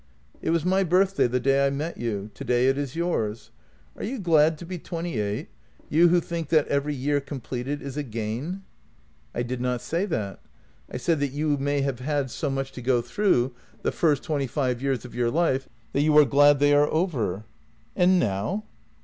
It was my birthday the day I met you; today it is yours. Are you glad to be twenty eight, you who think that every year completed is a gain? "" I did not say that. I said that you may have had so much 82 JENNY to go through the first twenty five years of your life that you are glad they are over." " And now?